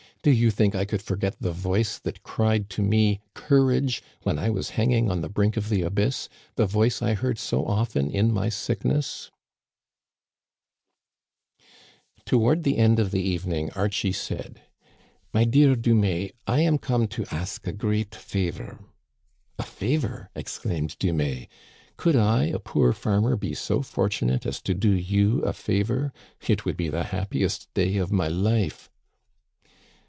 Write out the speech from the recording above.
" Do you think I could forget the voice that cried to me * Courage !* when I was hanging on the brink of the abyss — the voice I heard so often in my sickness ?*' Toward the end of the evening Archie said : "My dear Dumais, I am come to ask a great favor." " A favor !" exclaimed Dumais. " Could I, a poor farmer, be so fortunate as to do you a favor ? It would be the happiest day of my life."